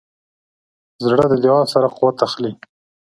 زړه د دعا سره قوت اخلي.